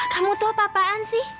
kamu tuh apa apaan sih